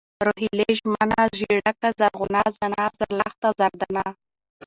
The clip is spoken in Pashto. روهيلۍ ، ژمنه ، ژېړکه ، زرغونه ، زاڼه ، زرلښته ، زردانه